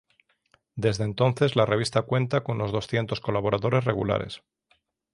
Desde entonces la revista cuenta con unos doscientos colaboradores regulares.